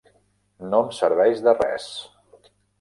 No em serveix de res.